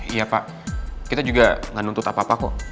iya pak kita juga gak nuntut apa apa kok